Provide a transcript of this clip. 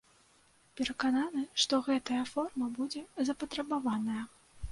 Перакананы, што гэтая форма будзе запатрабаваная.